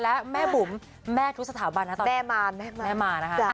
แล้วแม่บุ๋มแม่ทุกสถาบันแม่มาแม่มานะคะ